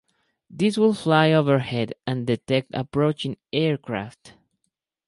These would fly overhead and detect approaching aircraft.